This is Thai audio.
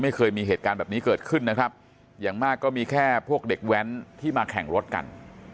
ไม่เคยมีเหตุการณ์แบบนี้เกิดขึ้นนะครับอย่างมากก็มีแค่พวกเด็กแว้นที่มาแข่งรถกัน